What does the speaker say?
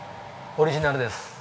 オリジナルです。